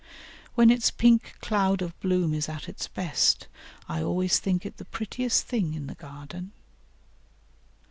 When its pink cloud of bloom is at its best, I always think it the prettiest thing in the garden.